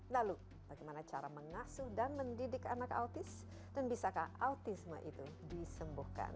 lalu bagaimana cara mengasuh dan mendidik anak autis dan bisakah autisme itu disembuhkan